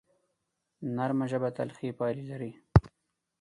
نرمه ژبه تل ښې پایلې لري